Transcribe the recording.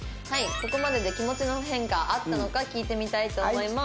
ここまでで気持ちの変化あったのか聞いてみたいと思います。